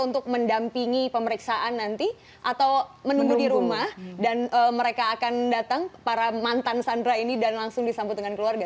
untuk mendampingi pemeriksaan nanti atau menunggu di rumah dan mereka akan datang para mantan sandra ini dan langsung disambut dengan keluarga